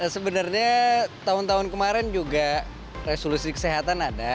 sebenarnya tahun tahun kemarin juga resolusi kesehatan ada